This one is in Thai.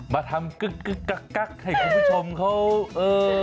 มาทำกึกให้คุณผู้ชมเขา